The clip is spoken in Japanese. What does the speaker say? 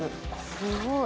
すごい！